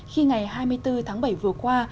khi ngày hai mươi bốn tháng bảy vừa qua